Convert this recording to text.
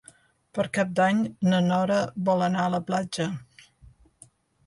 Per Cap d'Any na Nora vol anar a la platja.